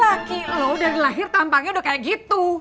laki lo dari lahir tampaknya udah kayak gitu